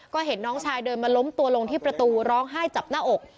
ก็เห็นน้องชายเดินมาล้มตัวลงที่ประตูร้องไห้จับหน้าอก